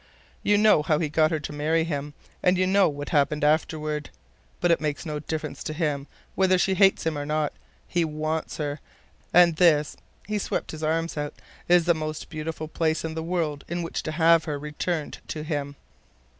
You know how he got her to marry him, and you know what happened afterward. But it makes no difference to him whether she hates him or not. He wants her. And this"—he swept his arms out, "is the most beautiful place in the world in which to have her returned to him.